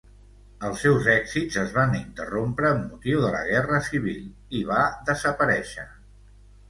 Els seus èxits es van interrompre amb motiu de la Guerra Civil i va desaparèixer.